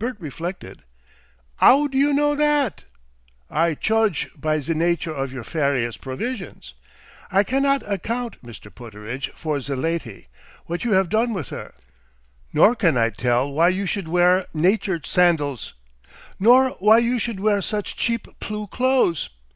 Bert reflected. "'Ow d'you know that?" "I chuge by ze nature of your farious provisions. I cannot account, Mr. Pooterage, for ze laty, what you haf done with her. Nor can I tell why you should wear nature sandals, nor why you should wear such cheap plue clothes.